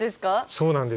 そうなんです。